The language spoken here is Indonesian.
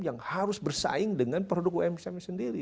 yang harus bersaing dengan produk umkm sendiri